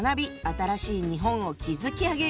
新しい日本を築き上げよう！」。